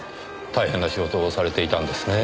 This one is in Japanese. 大変な仕事をされていたんですね